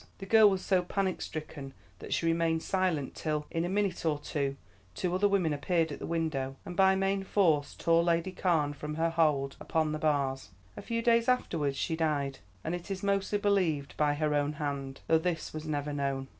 The girl was so panic stricken that she remained silent till, in a minute or two, two other women appeared at the window, and by main force tore Lady Carne from her hold upon the bars. "A few days afterwards she died, and it is mostly believed by her own hand, though this was never known.